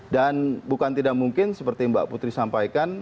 dan bukan tidak mungkin seperti mbak putri sampaikan